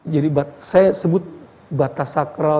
jadi saya sebut batas sakral